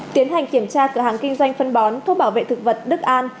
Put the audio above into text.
tiến hành kiểm tra cửa hàng kinh doanh phân bón thuốc bảo vệ thực vật đức an